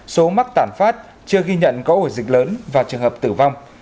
số mắc tản phát chưa ghi nhận có ổ dịch lớn và trường hợp tử vong